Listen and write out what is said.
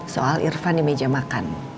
soal irfan di meja makan